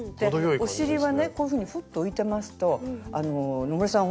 お尻はねこういうふうにふっと浮いてますと野村さん